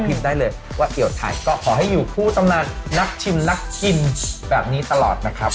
ได้เลยว่าเกี่ยวไทยก็ขอให้อยู่คู่ตำนานนักชิมนักชิมแบบนี้ตลอดนะครับ